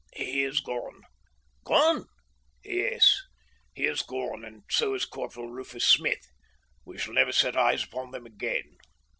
"He is gone." "Gone!" "Yes; he is gone; and so is Corporal Rufus Smith. We shall never set eyes upon them again."